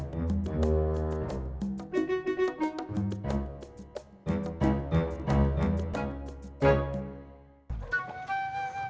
tapi belum dapat juga